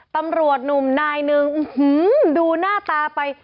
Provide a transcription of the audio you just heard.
ตำรวจหนุ่มนายหนึ่งดูหน้าตาไป